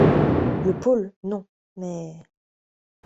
Le pôle ! non ; mais…